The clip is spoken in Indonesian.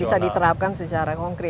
bisa diterapkan secara konkret